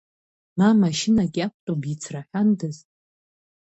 Ма машьынак иақәтәоу бицраҳәандаз.